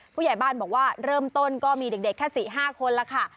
ผู้ใหญ่บ้านบอกว่าเริ่มต้นก็มีเด็กแค่๔๕คนแล้วค่ะ